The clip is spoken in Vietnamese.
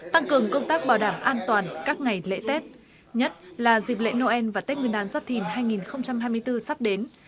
tăng cường công tác bảo đảm an toàn các ngày lễ tết nhất là dịp lễ noel và tết nguyên đán giáp thìn hai nghìn hai mươi bốn sắp đến